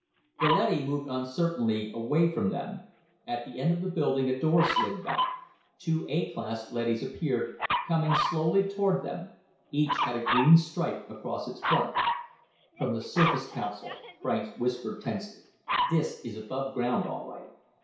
The leady moved uncertainly away from them. At the end of the building, a door slid back. Two A class leadys appeared, coming slowly toward them. Each had a green stripe across its front. "From the Surface Council," Franks whispered tensely. "This is above ground, all right.